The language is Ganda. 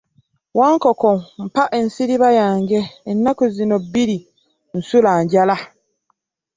Wankoko mpa ensiriba yange ennaku zino bbiri nsula njala.